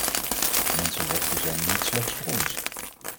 Mensenrechten zijn er niet slechts voor ons.